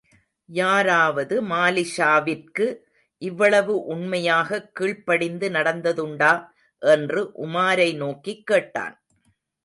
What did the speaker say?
யாராவது மாலிக்ஷாவிற்கு இவ்வளவு உண்மையாகக் கீழ்ப்படிந்து நடந்ததுண்டா? என்று உமாரை நோக்கிக் கேட்டான்.